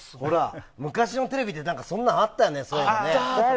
昔のテレビってそんなのあったよね。